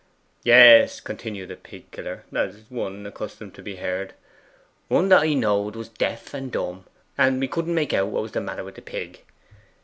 'Yes,' continued the pig killer, as one accustomed to be heard. 'One that I knowed was deaf and dumb, and we couldn't make out what was the matter wi' the pig.